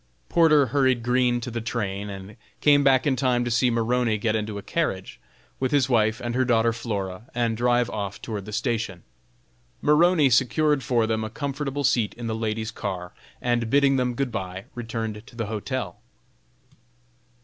Porter hurried Green to the train, and came back in time to see Maroney get into a carriage, with his wife and her daughter Flora, and drive off toward the station. Maroney secured for them a comfortable seat in the ladies' car, and, bidding them good bye, returned to the hotel.